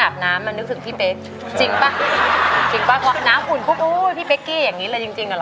อาบน้ำมันนึกถึงพี่เป๊กจริงป่ะจริงป่ะน้ำอุ่นพูดพี่เป๊กกี้อย่างนี้เลยจริงหรอ